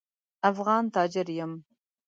افغان تاجر یم.